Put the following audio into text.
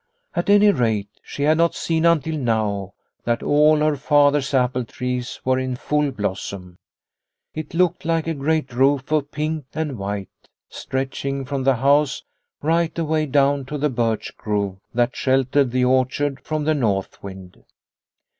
At any rate, she had not seen until now that all her father's apple trees were in full blossom. It looked like a great roof of pink and white, stretching from the house right away down to the birch grove that sheltered the orchard from the north wind.